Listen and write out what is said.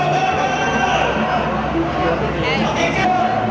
ว้าวว้าวว้าวว้าว